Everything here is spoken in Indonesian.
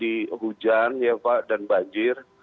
di hujan ya pak dan banjir